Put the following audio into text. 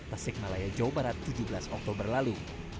tasik malaya jawa barat tujuh belas oktober lalu